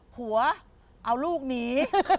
ผัวเอาลูกหนี